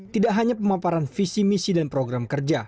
tidak hanya pemaparan visi misi dan program kerja